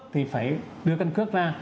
thì phải đưa căn cước ra